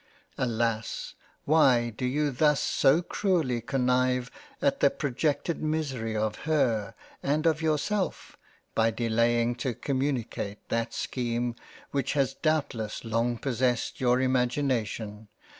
" Alas ! why do you thus so cruelly connive at the pro jected Misery of her and of yourself by delaying to communicate that scheme which had doubtless long possessed your imagina tion